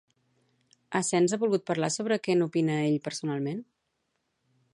Asens ha volgut parlar sobre què n'opina ell personalment?